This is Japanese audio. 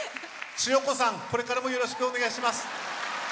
ちよこさん、これからもよろしくお願いします。